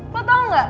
lo tau gak